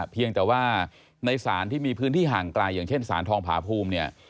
เพียงแต่ว่าในศาลที่มีพื้นที่ห่างไกลอย่างเช่นสารทองผาภูมิเนี่ย